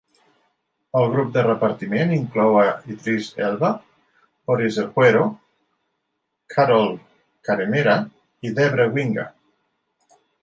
El grup de repartiment inclou a Idris Elba, Oris Erhuero, Carole Karemera i Debra Winger.